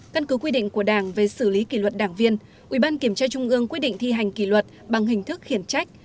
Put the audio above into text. căn cứ quy định của đảng về xử lý kỷ luật đảng viên ủy ban kiểm tra trung ương quy định thi hành kỷ luật bằng hình thức khiển trách